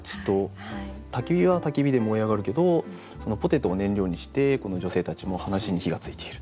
焚き火は焚き火で燃え上がるけどポテトを燃料にしてこの女性たちも話に火がついている。